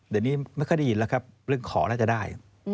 เดี๋ยวนี้มันก็ได้ยินแล้วครับเรื่องขอแล้วจะได้